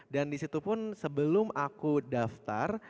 dan disitu pun sebelum aku daftar